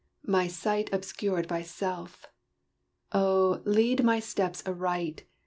my sight Obscured by self. Oh, lead my steps aright!